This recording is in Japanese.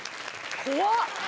怖っ！